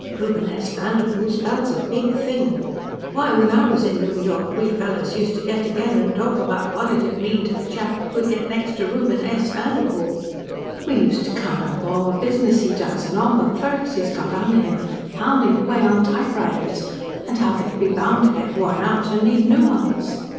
Reuben S. Vanderpoel spells a big thing. Why, when I was in New York we fellows used to get together and talk about what it'd mean to the chap who could get next to Reuben S. Vanderpoel. We used to count up all the business he does, and all the clerks he's got under him pounding away on typewriters, and how they'd be bound to get worn out and need new ones.